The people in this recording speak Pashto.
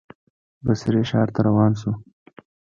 بصرې ښار ته روان شو.